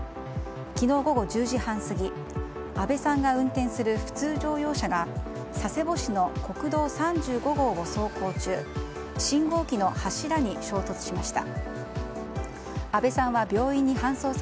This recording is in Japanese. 昨日午後１０時半過ぎ阿部さんが運転する普通乗用車が佐世保市の国道３５号を走行中信号機の柱に衝突しました。